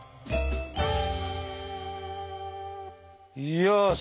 よし。